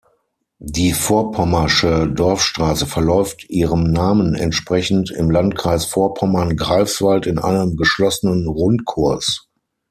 Die Vorpommersche Dorfstraße verläuft, ihrem Namen entsprechend, im Landkreis Vorpommern-Greifswald in einem geschlossenen Rundkurs.